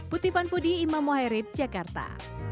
putipan pudi imam mohairib jakarta